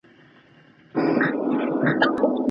خلګ بايد ناوړه رواجونه پر ځان لازم ونه ګڼي.